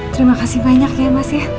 terima kasih banyak ya mas ya